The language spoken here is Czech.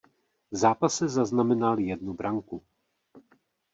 V zápase zaznamenal jednu branku.